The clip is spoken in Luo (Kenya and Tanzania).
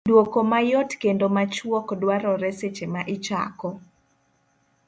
Dwoko mayot kendo machuok dwarore seche ma ichako